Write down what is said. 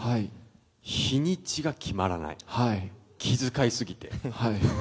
日にちが決まらない、気遣い過ぎて。